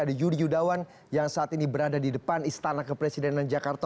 ada yudi yudawan yang saat ini berada di depan istana kepresidenan jakarta